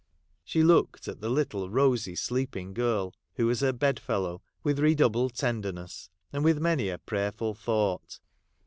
She looked at the little rosy sleeping girl who was her bed fellow, with redoubled tenderness, and with many a prayerful thought.